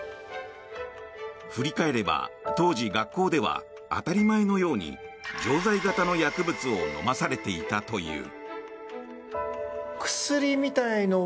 振り返れば当時、学校では当たり前のように錠剤型の薬物を飲まされていたという。